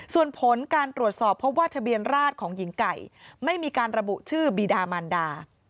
ส่วนผลการตรวจสอบเพราะว่าทะเบียนราชของหญิงไก่ไม่มีการระบุชื่อบีดามันดา